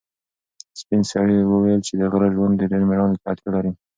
سپین سرې وویل چې د غره ژوند ډېر مېړانې ته اړتیا لري.